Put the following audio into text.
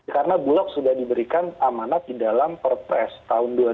karena bulok sudah diberikan amanat di dalam perpres tahun dua ribu enam belas